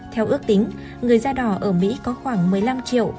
theo ước tính người da đỏ ở mỹ có khoảng một mươi năm triệu